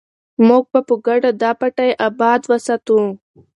موږ به په ګډه دا پټی اباد وساتو.